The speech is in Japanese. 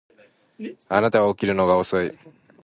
あなたは起きるのが遅い